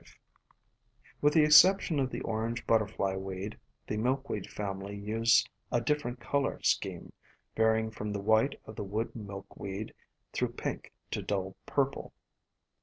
FLOWERS OF THE SUN 235 With the exception of the orange Butterfly Weed, the Milkweed family use a different color scheme, varying from the white of the Wood Milk weed through pink to dull purple.